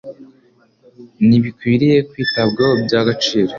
n’ibikwiriye kwitabwaho bya gaciro